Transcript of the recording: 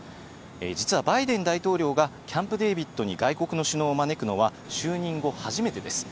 実はバイデン大統領がキャンプ・デービッドに外国の首脳を招くのは就任後、初めてです。